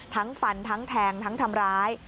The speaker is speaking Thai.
ฟันทั้งแทงทั้งทำร้าย